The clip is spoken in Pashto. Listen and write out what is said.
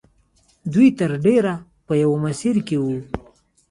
دوی تر ډېره په یوه مسیر کې وو